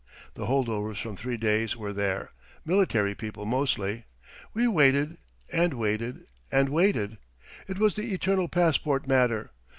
The hold overs from three days were there, military people mostly. We waited and waited and waited. It was the eternal passport matter.